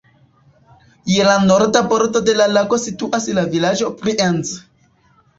Je la norda bordo de la lago situas la vilaĝo Brienz.